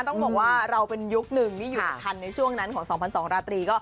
ต้องบอกว่าเราเป็นยุคนึงนี่อยู่ทันในช่วงนั้นของ๒๒ราตรีก็